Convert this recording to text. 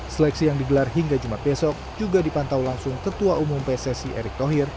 seleksi yang digelar hingga jumat besok juga dipantau langsung ketua umum pssi erick thohir